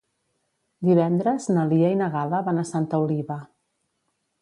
Divendres na Lia i na Gal·la van a Santa Oliva.